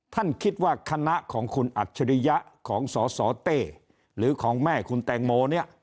ท่านคิดว่าคณะของคุณอัจฉริยะของสสเต้หรือของแม่คุณแตงโมเนี่ย